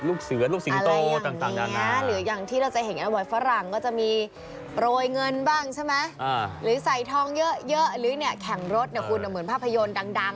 ลูกเสื้อลูกสิงโตต่างดังนั้น